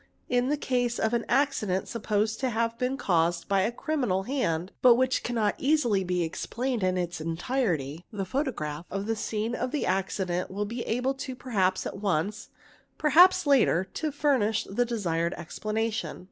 in the case of an accident supposed to have been caused by a criminal hand but which cannot easily be explained in its entirety, the photograph of the scene of the 'accident will be able, perhaps at once, perhaps later, to furnish the desired explanation.